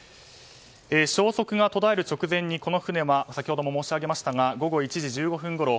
消息が途絶える直前この船は先ほども申しあげましたが午後１時１５分ごろ